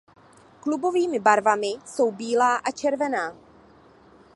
Klubovými barvami jsou bílá a červená.